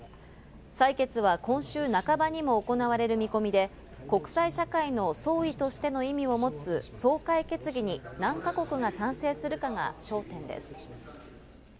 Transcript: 採決は今週半ばにも行われる見込みで、国際社会の総意としての意味を持つ総会決議に何か国が賛成するかが焦点です。